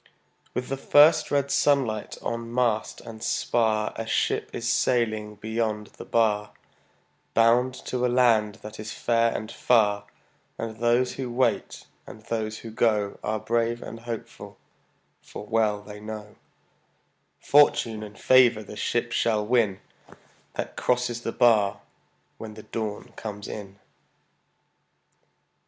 With the first red sunlight on mast and spar A ship is sailing beyond the bar, Bound to a land that is fair and far; And those who wait and those who go Are brave and hopeful, for well they know Fortune and favor the ship shall win That crosses the bar when the dawn comes in.